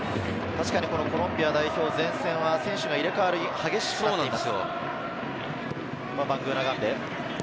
コロンビア代表、前線は選手の入れ代わりが激しそうなんです。